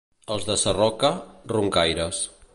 Els de Sarroca, roncaires.